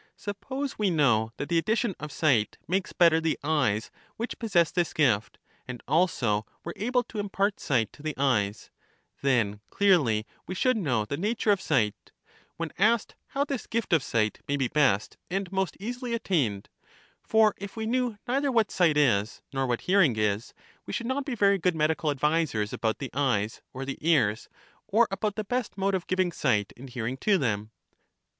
Suppose we know that the addition of sight makes better the eyes which possess this gift, and also were able to impart sight to the eyes, then, clearly, we should know the nature of sight, when asked how this gift of sight may be best and most easily attained ; for if we knew neither what sight is, nor what hearing is, we should not be very good medical advisers about the eyes, or the ears, or about the best mode of giving sight and hearing to them.